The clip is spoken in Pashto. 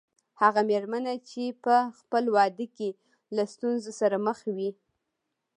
هغه مېرمنه چې په خپل واده کې له ستونزو سره مخ وي.